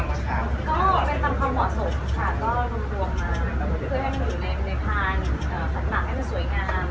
ก็เป็นตามความเหมาะสกก็คือให้มันอยู่ในอ่าฝัดมักให้มันสวยงาม